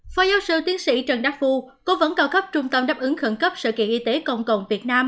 phó giáo sư tiến sĩ trần đắc phu cố vấn cao cấp trung tâm đáp ứng khẩn cấp sự kiện y tế công cộng việt nam